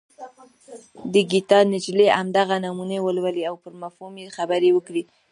د ګیتا نجلي همدغه نمونه ولولئ او پر مفهوم یې خبرې وکړئ.